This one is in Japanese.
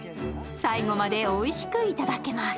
最後までおいしく頂けます。